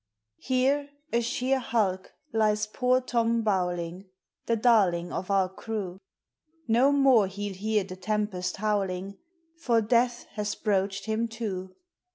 Here, a sheer hulk, lies poor Tom Bowling, The darling of our crew ; No more he '11 hear the tempest howling, For death has broached him to.